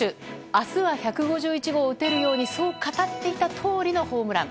明日は１５１号を打てるようにそう語っていたとおりのホームラン。